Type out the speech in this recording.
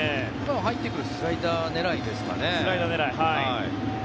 入ってくるスライダー狙いですかね。